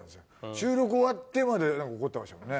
収録終わってまで何か怒ってましたもんね。